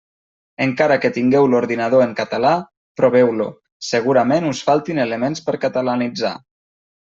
Encara que tingueu l'ordinador en català, proveu-lo: segurament us faltin elements per catalanitzar.